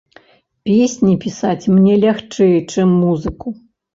Песні пісаць мне лягчэй, чым музыку.